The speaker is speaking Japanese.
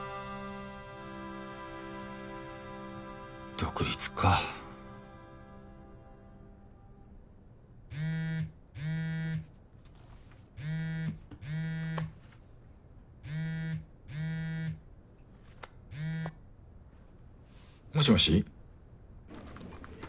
独立か。もしもし？